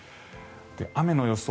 雨の予想